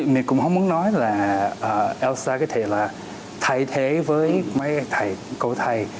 mình cũng không muốn nói là lsa có thể là thay thế với mấy thầy cô thầy